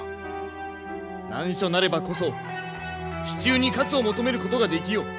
難所なればこそ「死中に活を求める」ことができよう。